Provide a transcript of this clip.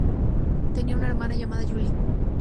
Tenía una hermana llamada Julie.